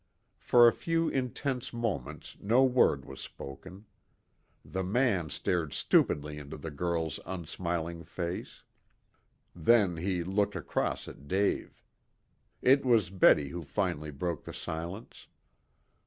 For a few intense moments no word was spoken. The man stared stupidly into the girl's unsmiling face; then he looked across at Dave. It was Betty who finally broke the silence.